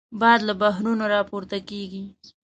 باد له بحرونو راپورته کېږي